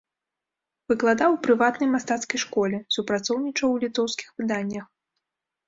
Выкладаў у прыватнай мастацкай школе, супрацоўнічаў у літоўскіх выданнях.